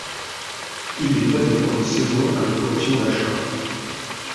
Il est prêté pour une saison avec option d'achat.